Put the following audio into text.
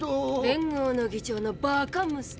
連合の議長のバカ息子。